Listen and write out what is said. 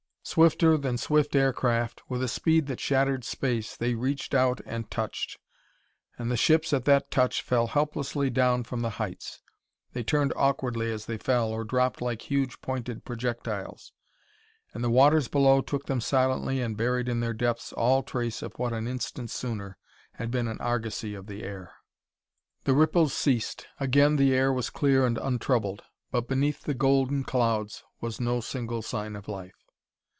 Swifter than swift aircraft, with a speed that shattered space, they reached out and touched and the ships, at that touch, fell helplessly down from the heights. They turned awkwardly as they fell or dropped like huge pointed projectiles. And the waters below took them silently and buried in their depths all trace of what an instant sooner had been an argosy of the air. The ripples ceased, again the air was clear and untroubled, but beneath the golden clouds was no single sign of life.